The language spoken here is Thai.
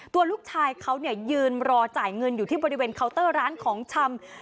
ตัวลูกชายเขายืนรอจ่ายเงินอยู่ที่บริเวณเคาน์เตอร์ร้านของชำ